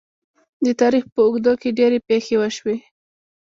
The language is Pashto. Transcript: د تاریخ په اوږدو کې ډیرې پېښې وشوې.